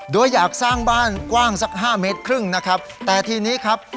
โดยอยากสร้างบ้านกว้างสักห้าเมตรครึ่งนะครับแต่ทีนี้ครับ